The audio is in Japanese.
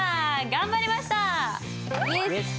頑張りました！